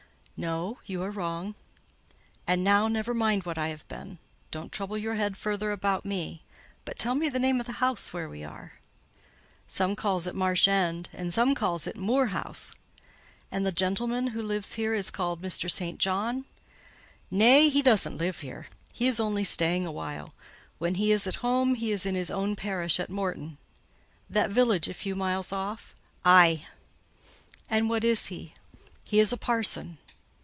"No, you are wrong. And now, never mind what I have been: don't trouble your head further about me; but tell me the name of the house where we are." "Some calls it Marsh End, and some calls it Moor House." "And the gentleman who lives here is called Mr. St. John?" "Nay; he doesn't live here: he is only staying a while. When he is at home, he is in his own parish at Morton." "That village a few miles off? "Aye." "And what is he?" "He is a parson."